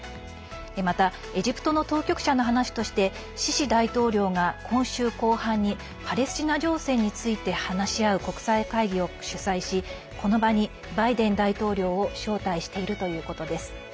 またエジプトの当局者の話としてシシ大統領が今週後半にパレスチナ情勢について話し合う国際会議を主催しこの場にバイデン大統領を招待しているということです。